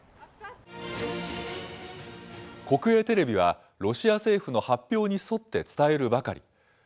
国営テレビは、ロシア政府の発表に沿って伝えるばかり。